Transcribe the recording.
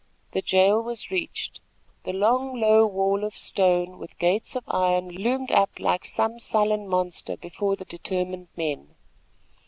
The jail was reached. The long, low wall of stone, with gates of iron, loomed up like some sullen monster before the determined men.